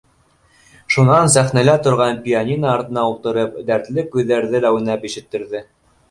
Шунан сәхнәлә торған пианино артына ултырып, дәтле көйҙәрҙе лә уйнап ишеттерҙе.